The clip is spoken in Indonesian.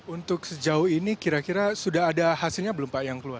untuk sejauh ini kira kira sudah ada hasilnya belum pak yang keluar